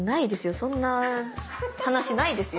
そんな話ないですよ